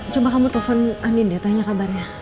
coba kamu telfon andin deh tanya kabarnya